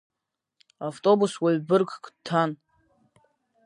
Автобус уаҩ быргк дҭан.